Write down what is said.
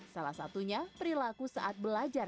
salah satunya perilaku saat belajar